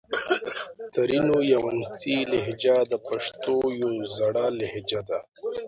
ترینو یا وڼېڅي لهجه د پښتو یو زړه لهجه ده